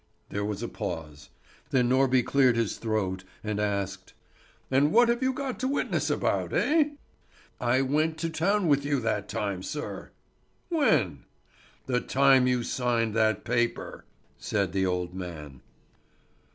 There was a pause. Then Norby cleared his throat, and asked: "And what have you got to witness about, eh?" "I went to town with you that time, sir." "When?" "The time you signed that paper," said the old man.